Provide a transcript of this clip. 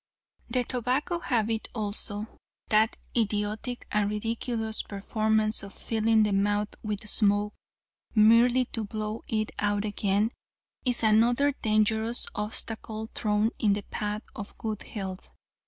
"The tobacco habit also; that idiotic and ridiculous performance of filling the mouth with smoke merely to blow it out again, is another dangerous obstacle thrown in the path of good health.